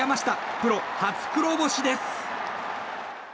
プロ初黒星です。